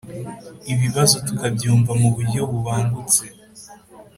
ibibazo tukabyumva mu buryo bubangutse.